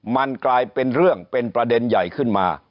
มันกลายเป็นเรื่องเป็นประเด็นใหญ่ขึ้นมา